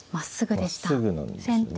まっすぐなんですね。